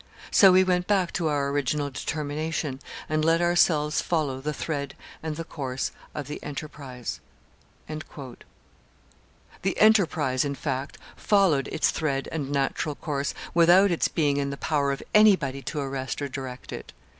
So we went back to our original determination, and let ourselves follow the thread and the course of the enterprise." The enterprise, in fact, followed its thread and natural course without its being in the power of anybody to arrest or direct it.